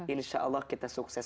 insya allah kita sukses